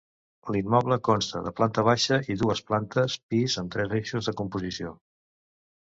L'immoble consta de planta baixa i dues plantes pis amb tres eixos de composició.